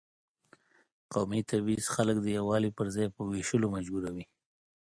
قومي تبعیض خلک د یووالي پر ځای په وېشلو مجبوروي.